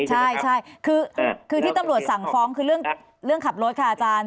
ใช่คือที่ตำรวจสั่งฟ้องคือเรื่องขับรถค่ะอาจารย์